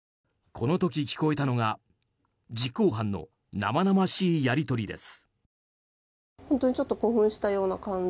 この時聞こえたのが実行犯の生々しいやり取りです。